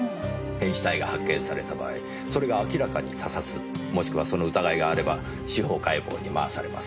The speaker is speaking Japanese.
変死体が発見された場合それが明らかに他殺もしくはその疑いがあれば司法解剖に回されます。